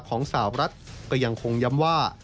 ของสาวรัฐก็ยังคงย้ำว่า